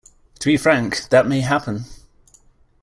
To be frank, that may happen.